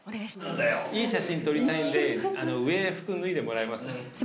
「いい写真撮りたいんで上服脱いでもらえますか」。